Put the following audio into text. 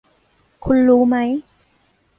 คุณรู้ไหม